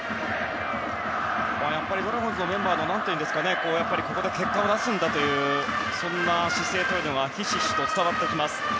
ドラゴンズのメンバーのここで結果を出すんだというそんな姿勢がひしひしと伝わってきます。